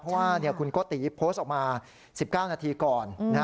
เพราะว่าคุณโกติโพสต์ออกมา๑๙นาทีก่อน